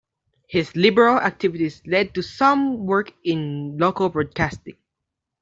His Liberal activities led to some work in local broadcasting.